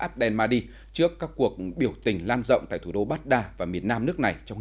abdel mahdi trước các cuộc biểu tình lan rộng tại thủ đô baghdad và miền nam nước này trong